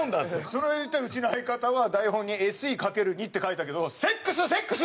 それ言ったらうちの相方は台本に「ＳＥ×２」って書いたけど「ＳＥＸＳＥＸ！」